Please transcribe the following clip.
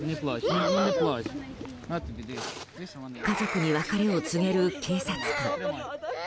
家族に別れを告げる警察官。